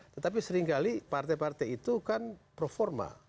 tetapi sering kali partai partai itu kan performa